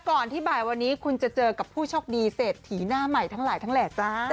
ที่บ่ายวันนี้คุณจะเจอกับผู้โชคดีเศรษฐีหน้าใหม่ทั้งหลายทั้งแหล่จ้า